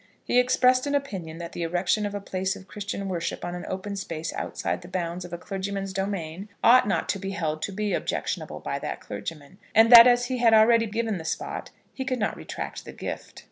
He expressed an opinion that the erection of a place of Christian worship on an open space outside the bounds of a clergyman's domain ought not to be held to be objectionable by that clergyman; and that as he had already given the spot, he could not retract the gift.